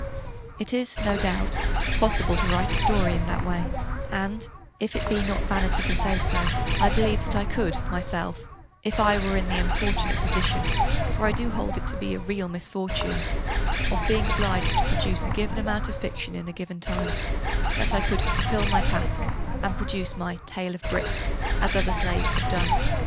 It is, no doubt, possible to write a story in that way: and, if it be not vanity to say so, I believe that I could, myself, if I were in the unfortunate position (for I do hold it to be a real misfortune) of being obliged to produce a given amount of fiction in a given time, that I could 'fulfil my task,' and produce my 'tale of bricks,' as other slaves have done.